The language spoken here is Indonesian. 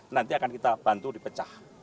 nanti akan kita bantu dipecah